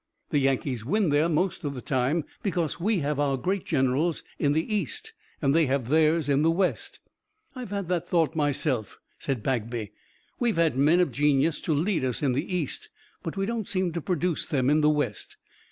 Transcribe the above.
The Yankees win there most of the time, because we have our great generals in the East and they have theirs in the West." "I've had that thought myself," said Bagby. "We've had men of genius to lead us in the East, but we don't seem to produce them in the West.